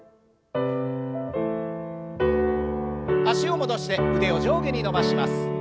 脚を戻して腕を上下に伸ばします。